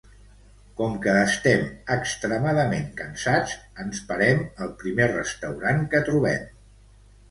Com que estem extremadament cansats, ens parem al primer restaurant que trobem.